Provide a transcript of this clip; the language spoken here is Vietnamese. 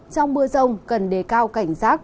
trong mưa rông cần đề cao cảnh rác